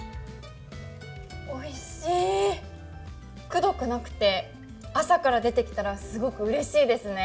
くどくなくて朝から出てきたらすごくうれしいですね。